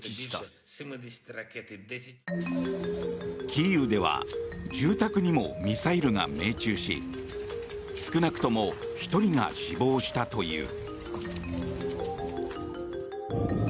キーウでは住宅にもミサイルが命中し少なくとも１人が死亡したという。